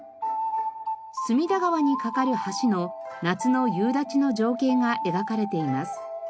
隅田川に架かる橋の夏の夕立の情景が描かれています。